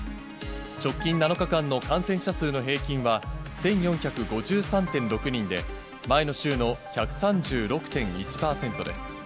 直近７日間の感染者数の平均は、１４５３．６人で、前の週の１３６．１％です。